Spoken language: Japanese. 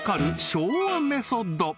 昭和メソッド